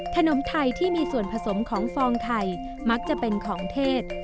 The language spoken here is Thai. ขนมไทยที่มีส่วนผสมของฟองไทยมักจะเป็นของเทศ